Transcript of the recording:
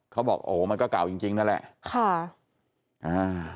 เขาบอกโอ้มันก็เก่าจริงจริงนั่นแหละค่ะอ่า